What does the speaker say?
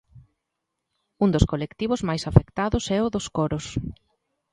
Un dos colectivos máis afectados é o dos coros.